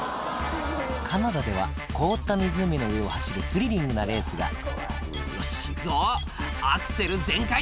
カナダでは凍った湖の上を走るスリリングなレースが「よしいくぞアクセル全開だ！」